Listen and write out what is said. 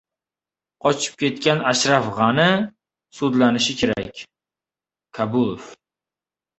Qochib ketgan Ashraf G‘ani sudlanishi kerak — Kabulov